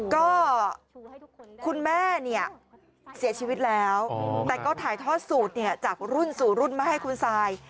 ก็คุณแม่เนี่ยเสียชีวิตแล้วแต่ก็ถ่ายทอดสูตรจากรุ่นสู่รุ่นมาให้คุณซาย